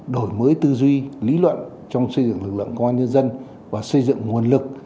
đổi mới tư duy lý luận trong xây dựng lực lượng công an nhân dân và xây dựng nguồn lực